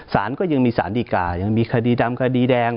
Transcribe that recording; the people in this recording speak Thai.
สารก็ยังมีสารดีกายังมีคดีดำคดีแดง